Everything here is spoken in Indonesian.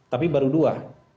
tapi baru dua